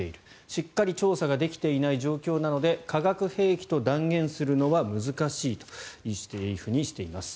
しっかり調査ができていない状況なので化学兵器と断言するのは難しいというふうにしています。